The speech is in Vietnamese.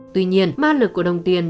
tuy nhiên ma lực của đồng tiền